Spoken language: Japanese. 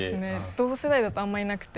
同世代だとあんまりいなくて。